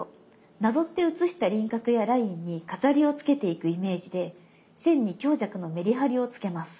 なぞって写した輪郭やラインに飾りをつけていくイメージで線に強弱のメリハリをつけます。